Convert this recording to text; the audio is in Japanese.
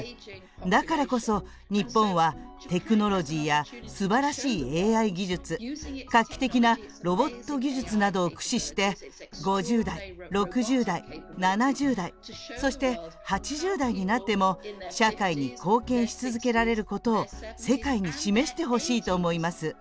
だからこそ、日本はテクノロジーやすばらしいＡＩ技術画期的なロボット技術などを駆使して５０代、６０代、７０代そして、８０代になっても社会に貢献し続けられることを世界に示してほしいと思います。